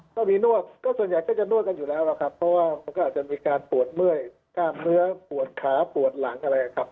ก็มีนวดก็ส่วนใหญ่ก็จะนวดกันอยู่แล้วนะครับเพราะว่ามันก็อาจจะมีการปวดเมื่อยกล้ามเนื้อปวดขาปวดหลังอะไรครับ